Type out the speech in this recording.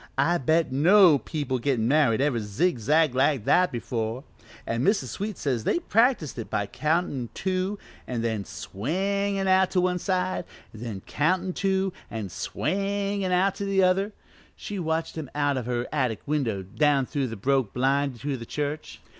I bet no people gettin' married ever zig zagged like that before, an' Mrs. Sweet says they practised it by countin' two an' then swingin' out to one side, an' then countin' two an' swingin' out to the other she watched 'em out of her attic window down through the broke blind to the church.